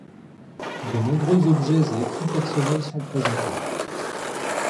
De nombreux objets et écrits personnels sont présentés.